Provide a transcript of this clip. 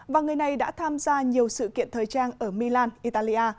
và người này đã tham gia nhiều sự kiện thời trang ở milan italia